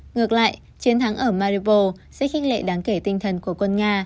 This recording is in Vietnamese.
ngược lại chiến thắng ở maripos sẽ khinh lệ đáng kể tinh thần của quân nga